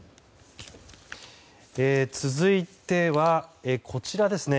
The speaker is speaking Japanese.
続いては、こちらです。